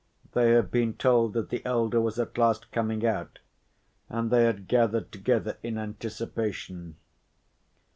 They had been told that the elder was at last coming out, and they had gathered together in anticipation.